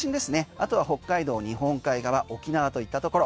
あとは北海道、日本海側沖縄といったところ。